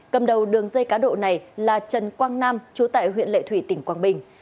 cầm đầu đường dây cá độ này là trần quang nam chú tại huyện lệ thủy tỉnh quảng bình